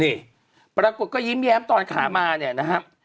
นี่ปรากฏก็ยิ้มแย้มตอนขามาเนี่ยนะครับ